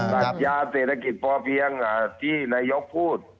ปัญญาเศรษฐกิจพอเพียงที่นายกพูด